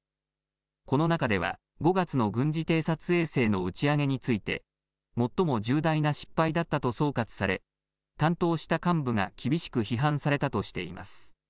この中では５月の軍事偵察衛星の打ち上げについて最も重大な失敗だったと総括され担当した幹部が厳しく批判されたとしています。